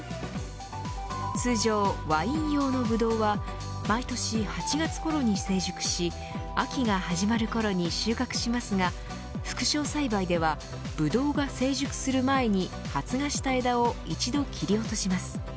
通常、ワイン用のブドウは毎年８月ごろに成熟し秋が始まるころに収穫しますが副梢栽培ではブドウが成熟する前に発芽した枝を一度切り落とします。